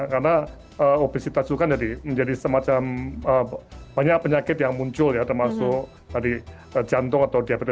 karena obesitas itu kan menjadi semacam banyak penyakit yang muncul ya termasuk tadi jantung atau diabetes melitus ya